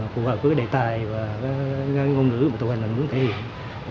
phù hợp với đề tài và ngôn ngữ mà tụ hình mình muốn thể hiện